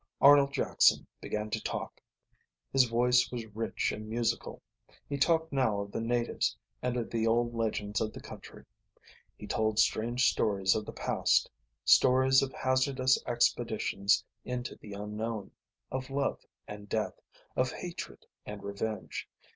Arnold Jackson began to talk. His voice was rich and musical. He talked now of the natives and of the old legends of the country. He told strange stories of the past, stories of hazardous expeditions into the unknown, of love and death, of hatred and revenge.